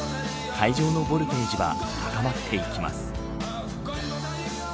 会場のボルテージは高まっていきます。